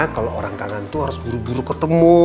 kalo orang kangen tuh harus buru buru ketemu